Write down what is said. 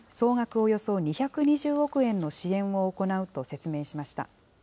およそ２２０億円の支援を行うと説明しました。